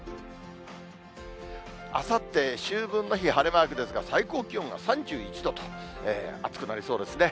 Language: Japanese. あさって、秋分の日、晴れマークですが、最高気温が３１度と暑くなりそうですね。